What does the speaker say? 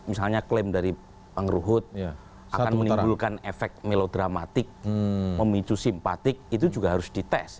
misalnya klaim dari bang ruhut akan menimbulkan efek melodramatik memicu simpatik itu juga harus dites